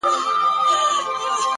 هره ناکامي د بیا هڅې درس دی،